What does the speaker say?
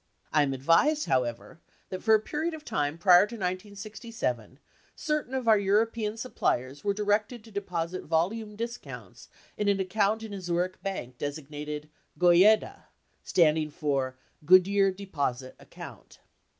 I am advised, however, that for a period of time prior to 1967, certain of our European sup pliers were directed to deposit volume discounts in an account in a Zurich bank designated "Goyeda," standing for Good year deposit account.